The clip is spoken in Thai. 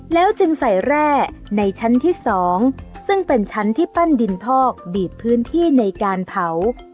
แล้วจึงใส่แร่ในชั้นที่๒ซึ่งเป็นชั้นที่ปั้นดินพอกบีบพื้นที่ในการเผา